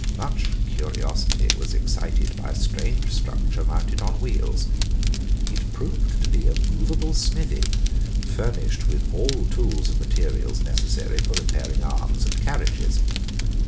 Much curiosity was excited by a strange structure mounted on wheels. It proved to be a moveable smithy, furnished with all tools and materials necessary for repairing arms and carriages.